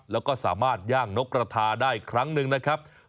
แล้วก็สามารถย่างนกกระทาได้ครั้งหนึ่งนะครับ